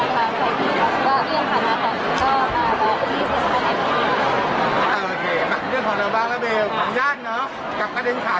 บรรยากาศที่นี่ก็เหมือนว่ายังยกสาธารณีวิทยาไว้